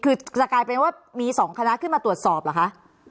คือจะกลายเป็นว่ามี๒คณะขึ้นมาตรวจสอบเหรอคะ